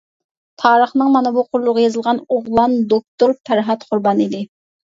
تارىخنىڭ مانا بۇ قۇرلىرىغا يېزىلغان ئوغلان دوكتور پەرھات قۇربان ئىدى.